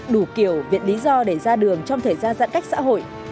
đủ kiểu viện lý do để ra đường trong thời gian giãn cách xã hội